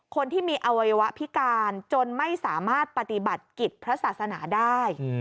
คนที่มีอวัยวะพิการจนไม่สามารถปฏิบัติกิจพระศาสนาได้